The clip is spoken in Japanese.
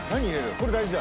これ大事だ。